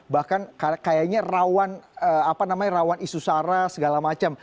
bahkan kayaknya rawan apa namanya rawan isu sara segala macam